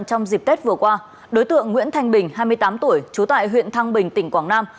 trong dịp tết vừa qua đối tượng nguyễn thanh bình hai mươi tám tuổi trú tại huyện thăng bình tỉnh quảng nam